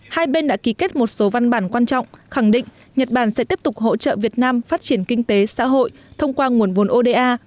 hai bên đã ký kết một số văn bản quan trọng khẳng định nhật bản sẽ tiếp tục hỗ trợ việt nam phát triển kinh tế xã hội thông qua nguồn vốn oda